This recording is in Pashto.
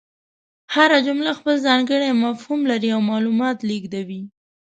هره جمله خپل ځانګړی مفهوم لري او معلومات لېږدوي.